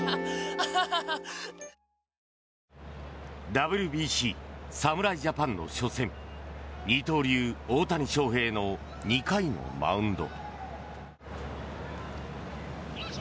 ＷＢＣ、侍ジャパンの初戦二刀流・大谷翔平の２回のマウンド。